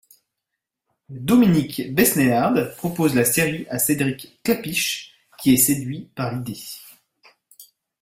Dominique Besnehard propose la série à Cédric Klapisch qui est séduit par l'idée.